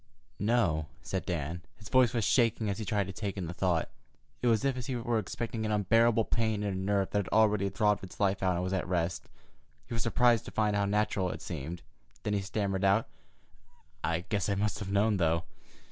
"No," said Dan. His voice was shaking as he tried to take in the thought. It was as if he were expecting an unbearable pain in a nerve that had already throbbed its life out and was at rest. He was surprised to find how natural it seemed. Then he stammered out: "I guess I must have known, though.